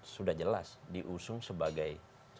sudah jelas diusung sebagai